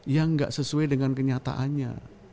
yang nggak sesuai dengan kenyataannya